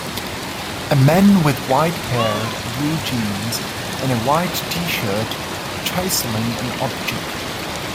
A man with white hair, blue jeans, and a white Tshirt chiseling an object.